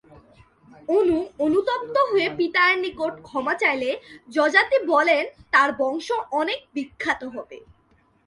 অণু অনুতপ্ত হয়ে পিতার নিকট ক্ষমা চাইলে যযাতি বলেন, তাঁর বংশ অনেক বিখ্যাত হবে।